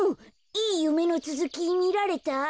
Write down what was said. いいゆめのつづきみられた？